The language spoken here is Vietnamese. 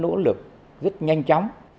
nỗ lực rất nhanh chóng